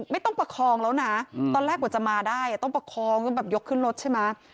ประคองแล้วนะตอนแรกกว่าจะมาได้ต้องประคองก็แบบยกขึ้นรถใช่ไหม